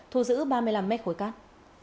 thu giữ ba mươi năm mét khối cát